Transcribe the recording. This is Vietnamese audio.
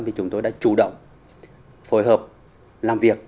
thì chúng tôi đã chủ động phối hợp làm việc